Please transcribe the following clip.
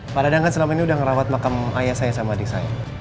pak dadang kan selama ini udah ngerawat makam ayah saya sama adik saya